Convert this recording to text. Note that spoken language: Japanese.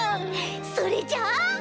それじゃあ。